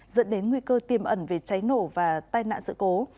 dẫn đến nguy cơ tiềm ẩn về cháy nổ và tai nạn sự cố